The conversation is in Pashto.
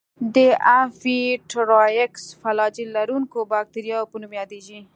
د امفيټرایکس فلاجیل لرونکو باکتریاوو په نوم یادیږي.